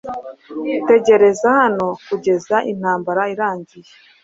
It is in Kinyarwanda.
Tegereza hano kugeza intambara irangiye